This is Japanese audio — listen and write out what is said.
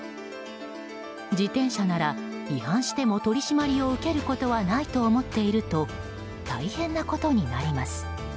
自転車なら違反しても取り締まりを受けることはないと思っていると大変なことになります。